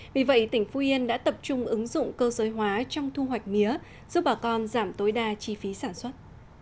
vì vậy tỉnh phú yên đã tập trung ứng dụng cơ giới hóa trong thu hoạch mía giúp bà con giảm tối đa chi phí sản xuất